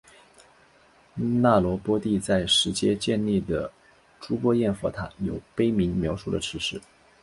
那罗波帝在实皆建立的睹波焰佛塔有碑铭描述了此事。